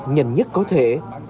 nhanh nhất có thể